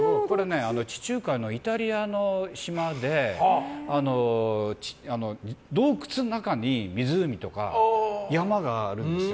地中海のイタリアの島で洞窟の中に湖とか山があるんですよ。